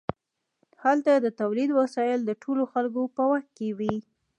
هلته د تولید وسایل د ټولو خلکو په واک کې وي.